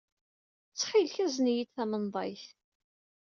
Ttxil-k, azen-iyi-d tamenḍayt.